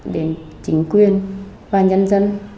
đến chính quyền và nhân dân